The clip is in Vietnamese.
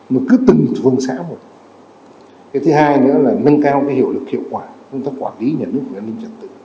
bộ trưởng tô lâm cũng nhấn mạnh